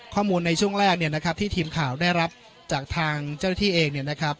ข้อมูลในช่วงแรกเนี่ยนะครับที่ทีมข่าวได้รับจากทางเจ้าหน้าที่เองเนี่ยนะครับ